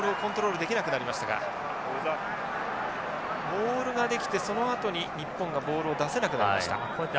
モールができてそのあとに日本がボールを出せなくなりました。